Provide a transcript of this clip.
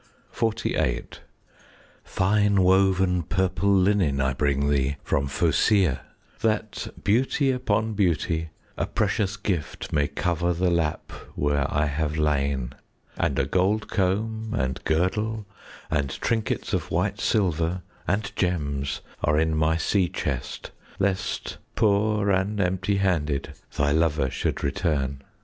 XLVIII Fine woven purple linen I bring thee from Phocæa, That, beauty upon beauty, A precious gift may cover The lap where I have lain. 5 And a gold comb, and girdle, And trinkets of white silver, And gems are in my sea chest, Lest poor and empty handed Thy lover should return.